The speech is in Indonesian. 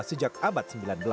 sejak abad sembilan belas